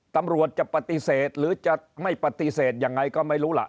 ตำรวจจะปฏิเสธหรือจะไม่ปฏิเสธยังไงก็ไม่รู้ล่ะ